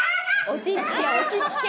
落ち着け、落ち着け。